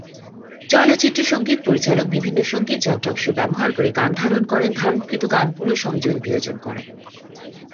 চলচ্চিত্রে সঙ্গীত পরিচালক বিভিন্ন সঙ্গীত যন্ত্রাংশ ব্যবহার করে গান ধারণ করেন, ধারণকৃত গান পুনঃসংযোজন-বিয়োজন করেন।